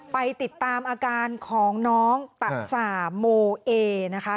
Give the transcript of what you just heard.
ไปติดตามอาการของน้องตะสาโมเอนะคะ